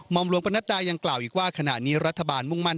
มปนยังกล่าวอีกว่าขณะนี้รัฐบาลมุ่งมั่น